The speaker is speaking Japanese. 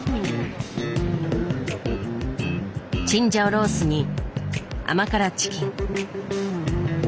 チンジャオロースーに甘辛チキン。